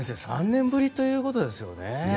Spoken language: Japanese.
３年ぶりということですよね。